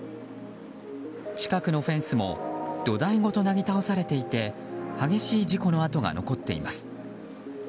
近くのフェンスも土台ごとなぎ倒されていて激しい事故の跡が残っています。